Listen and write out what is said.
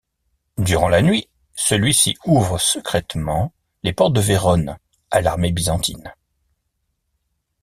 Durant la nuit, celui-ci ouvre secrètement les portes de Vérone à l'armée byzantine.